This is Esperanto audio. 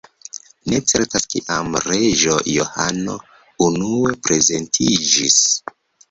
Ne certas kiam "Reĝo Johano" unue prezentiĝis.